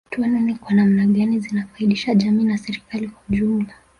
Tuone ni kwa namna gani zinafaidisha jamii na serikali kwa ujumla